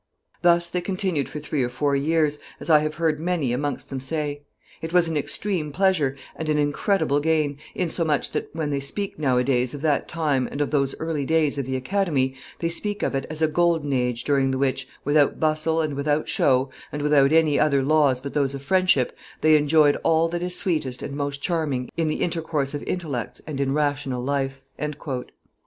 Thus they continued for three or four years, as I have heard many amongst them say; it was an extreme pleasure and an incredible gain, insomuch that, when they speak nowadays of that time and of those early days of the Academy, they speak of it as a golden age during the which, without bustle and without show, and without any other laws but those of friendship, they enjoyed all that is sweetest and most charming in the intercourse of intellects and in rational life."